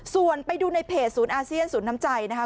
ส่วนไปดูในเพจศูนย์อาเซียนศูนย์น้ำใจนะคะ